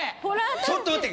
ちょっと待って。